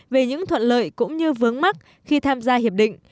về những thuận lợi cũng như vướng mắt khi tham gia hiệp định